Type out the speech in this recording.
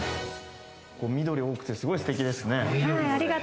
緑多くて、すごいステキですね。